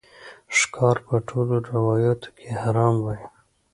ښکار په ټولو روایاتو کې حرام وای